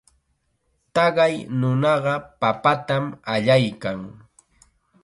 Taqay nunaqa papatam allaykan.